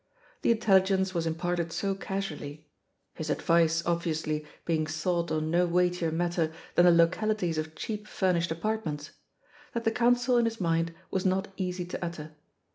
The intelligence was imparted so casually — ^his advice, obviously, being sought on no weightier matter than the localities of cheap furnished apartments — ^that the counsel in his mind was not easy to utter.